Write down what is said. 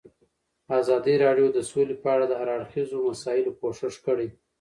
ازادي راډیو د سوله په اړه د هر اړخیزو مسایلو پوښښ کړی.